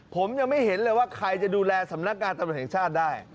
ผมยังไม่เห็นเลยว่าใครจะดูแลสำนักงานตำรวจแห่งชาติได้